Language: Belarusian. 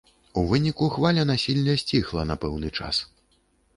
У выніку хваля насілля сціхла на пэўны час.